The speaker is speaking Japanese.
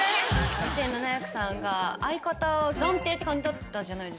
２７００さんが相方を暫定って感じだったじゃないですか。